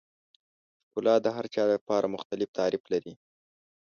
ښکلا د هر چا لپاره مختلف تعریف لري.